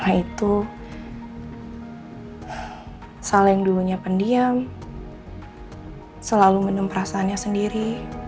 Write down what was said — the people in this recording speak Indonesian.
dan karena itu sal yang dulunya pendiam selalu menemprasannya sendiri